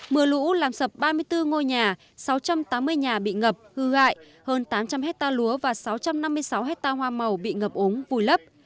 mưa lũ làm sập ba mươi bốn ngôi nhà sáu trăm tám mươi nhà bị ngập hư hại hơn tám trăm linh hectare lúa và sáu trăm năm mươi sáu hectare hoa màu bị ngập ống vùi lấp